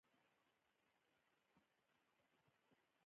ځیني معماوي له ساده تورو څخه جوړي سوي يي.